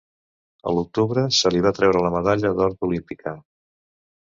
A l'octubre, se li va treure la medalla d'or olímpica.